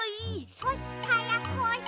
「そしたらこうして」